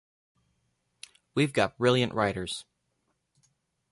We've got brilliant writers.